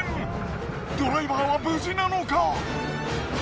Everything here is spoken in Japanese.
ドライバーは無事なのか？